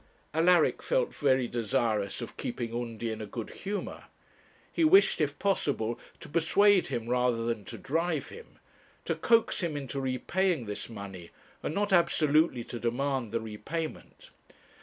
Alaric felt very desirous of keeping Undy in a good humour. He wished, if possible, to persuade him rather than to drive him; to coax him into repaying this money, and not absolutely to demand the repayment.